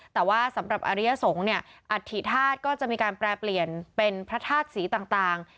แต่ว่าสำหรับอริยสงฆ์เนี่ยอัฐิธาตุก็จะมีการแปรเปลี่ยนเป็นพระธาตุสีต่าง